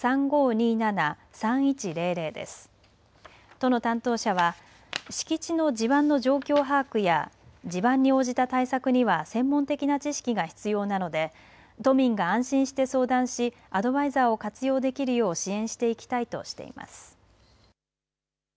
都の担当者は敷地の地盤の状況把握や地盤に応じた対策には専門的な知識が必要なので都民が安心して相談しアドバイザーを活用できるよう支援していきたいとしています。